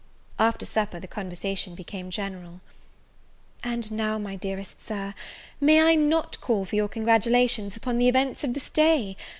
After supper, the conversation became general. And now, my dearest Sir, may I not call for your congratulations upon the events of this day?